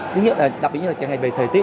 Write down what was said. đặc biệt là chẳng hạn về thời tiết